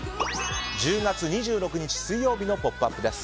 １０月２６日水曜日の「ポップＵＰ！」です。